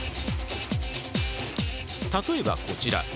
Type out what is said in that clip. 例えばこちら。